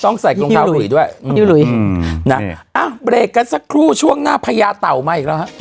ต้องใส่รองเท้าหลุยด้วยหลุยอืมนะอ่ะเบรกกันสักครู่ช่วงหน้าพญาเต่ามาอีกแล้วฮะ